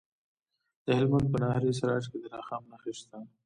د هلمند په ناهري سراج کې د رخام نښې شته.